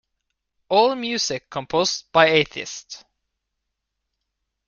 All music composed by Atheist.